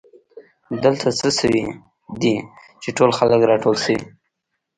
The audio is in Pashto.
دلته څه شوي دي چې ټول خلک راټول شوي